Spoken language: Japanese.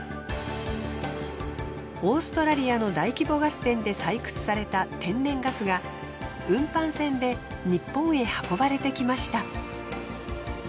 オーストラリアの大規模ガス田で採掘された天然ガスが運搬船で日本へ運ばれてきました。